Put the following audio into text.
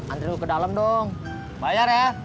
andri lo ke dalam dong bayar ya